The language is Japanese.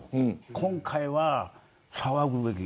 今回は騒ぐべき。